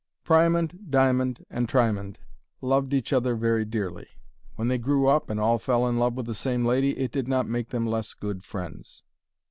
Priamond, Diamond, and Triamond loved each other very dearly. When they grew up and all fell in love with the same lady, it did not make them less good friends.